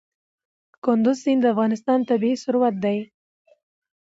کندز سیند د افغانستان طبعي ثروت دی.